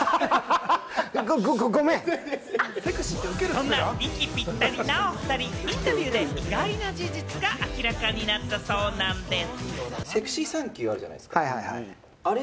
そんな息ぴったりなおふたり、インタビューで、意外な事実が明らかになったそうなんです。